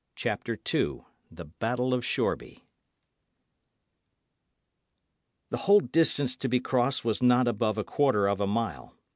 CHAPTER II THE BATTLE OF SHOREBY The whole distance to be crossed was not above a quarter of a mile.